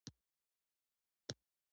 دوی ګورنرجنرال ته ولیکل.